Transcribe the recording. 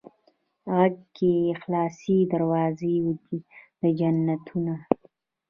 غیږ کې یې خلاصې دروازې د جنتونه